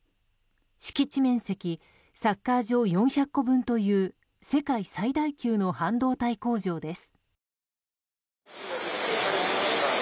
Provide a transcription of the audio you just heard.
敷地面積サッカー場４００個分という世界最大級の半導体工場です。